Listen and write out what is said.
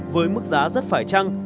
với mức giá rất phải trăng